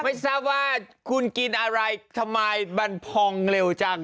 ไม่ทราบว่าคุณกินอะไรทำไมมันพองเร็วจัง